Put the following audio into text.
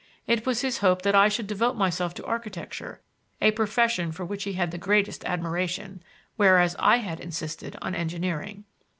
It was his hope that I should devote myself to architecture, a profession for which he had the greatest admiration, whereas I had insisted on engineering.